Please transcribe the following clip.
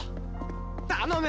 頼む！